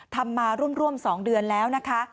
ทำมาร่วม๒เดือนแล้วนะคะ